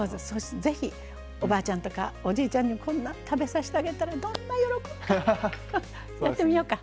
ぜひ、おばあちゃんやおじいちゃんに、こんなの食べさせてあげたらどんなに喜ぶか。